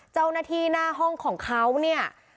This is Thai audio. เจ้าหน้าที่หน้าห้องของเขาเนี่ย